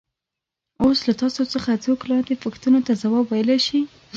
اوس له تاسو څخه څوک لاندې پوښتنو ته ځواب ویلای شي.